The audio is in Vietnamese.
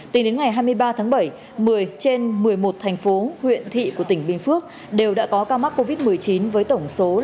tính đến ngày hai mươi ba tháng bảy một mươi trên một mươi một thành phố huyện thị của tỉnh bình phước đều đã có ca mắc covid một mươi chín với tổng số